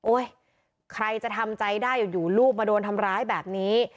ใครจะทำใจได้อยู่ลูกมาโดนทำร้ายแบบนี้